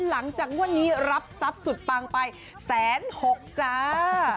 หลังจากวันนี้รับทรัพย์สุดปังไปแสนหกจ้า